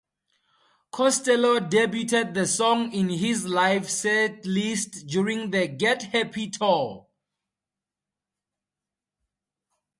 Costello debuted the song in his live setlist during the "Get Happy" tour.